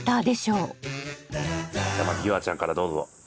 じゃあまず夕空ちゃんからどうぞ。